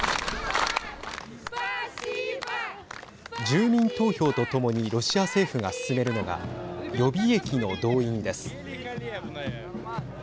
住民投票とともにロシア政府が進めるのが予備役の動員です。